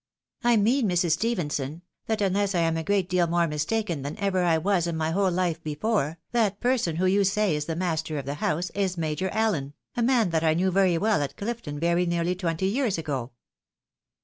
" I mean, Mrs. Stephenson, that unless I am a great deal more mistaken than ever I was in my whole life before, that per son who you say is the master of the house is Major Allen, a man that I knew very well at Clifton very nearly twenty years ago."